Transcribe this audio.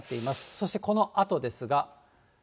そしてこのあとですが。